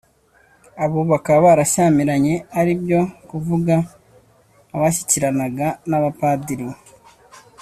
abo bakaba barashyamiranye ari byo kuvuga abashyikiranaga n'abapadiri